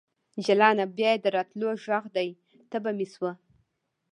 جلانه ! بیا یې د راتللو غږ دی تبه مې شوه